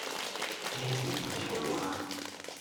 咩事咁嘈呀